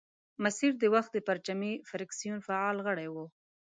مسیر د وخت د پرچمي فرکسیون فعال غړی وو.